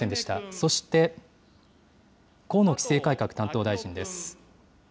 そして、河野規制改革担当大臣です。